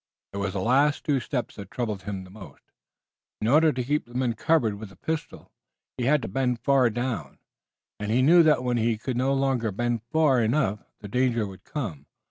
It was the last two steps that troubled him most. In order to keep the men covered with the pistol he had to bend far down, and he knew that when he could no longer bend far enough the danger would come.